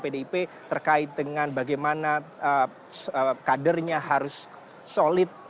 ketua umum pdip terkait dengan bagaimana kadernya harus solid